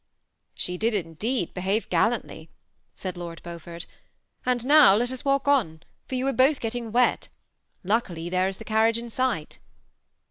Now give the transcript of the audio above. ^ She did indeed behave gallantly," said Lord Beau f(»rt ;^' and now let us walk on, for you are both getting wet. Luckily, there is the carriage in sight."